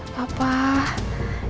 papa kenapa rumah itu kebakaran